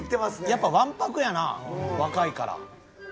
やっぱわんぱくやな若いから。